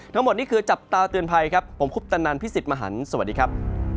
ทั้งหมดนี่คือจับตาเตือนภัยครับผมคุปตนันพี่สิทธิ์มหันฯสวัสดีครับ